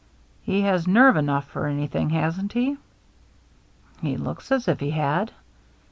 " He has nerve enough for anything, hasn't he?" " He looks as if he had."